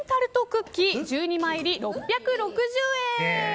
クッキー１２枚入り６６０円。